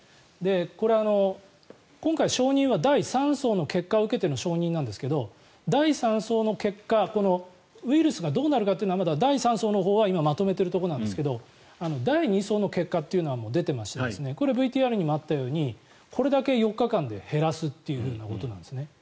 これは、今回承認は第３相の結果を受けての承認なんですけど第３相の結果ウイルスがどうなるかってのは第３相のほうは今まとめているところなんですが第２相の結果というのはもう出ていましてこれ、ＶＴＲにもあったようにこれだけ４日間で減らすということなんです。